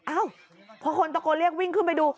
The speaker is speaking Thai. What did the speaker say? อ้าวพอคนตะโกนเรียกวิ่งขึ้นไปดู